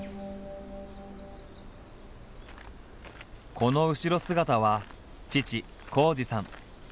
この後ろ姿は父紘二さん。